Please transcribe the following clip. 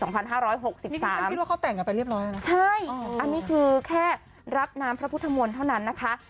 ที่ฉันคิดว่าเขาแต่งกันไปเรียบร้อยแล้วนะใช่อันนี้คือแค่รับน้ำพระพุทธมนต์เท่านั้นนะคะ